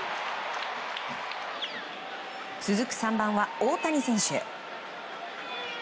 続く３番は大谷選手。